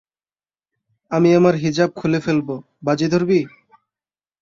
আমি আমার হিজাব খুলে ফেলব, বাজি ধরবি?